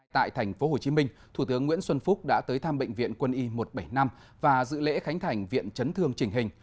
tại tp hcm thủ tướng nguyễn xuân phúc đã tới thăm bệnh viện quân y một trăm bảy mươi năm và dự lễ khánh thành viện chấn thương trình hình